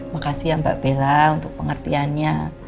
makasih ya mbak bella untuk pengertiannya